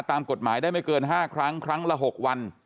ตามกฎหมายได้ไม่เกิน๕ครั้งครั้งละ๖วัน